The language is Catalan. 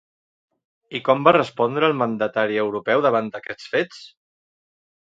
I com va respondre el mandatari europeu davant aquests fets?